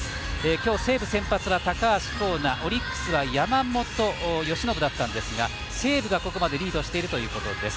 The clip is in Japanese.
今日、西武先発は高橋光成オリックスは山本由伸だったんですが西武が、ここまでリードしているということです。